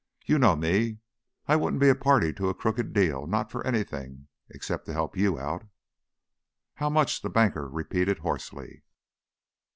You know me; I wouldn't be a party to a crooked deal, not for anything, except to help you out " "How much?" the banker repeated, hoarsely.